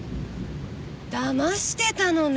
だましてたのね。